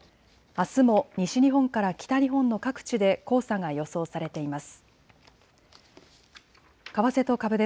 あすも西日本から北日本の各地で黄砂が予想されています。